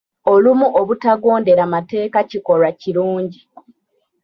Olumu obutagondera mateeka kikolwa kirungi.